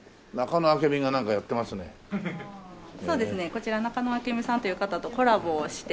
こちら中野明海さんという方とコラボをして。